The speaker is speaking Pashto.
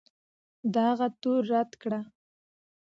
دغه تور رد کړ